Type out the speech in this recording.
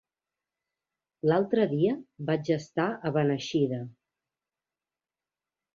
L'altre dia vaig estar a Beneixida.